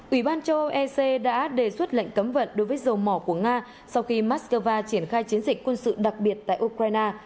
ủy ban châu âu ec đã đề xuất lệnh cấm vận đối với dầu mỏ của nga sau khi moscow triển khai chiến dịch quân sự đặc biệt tại ukraine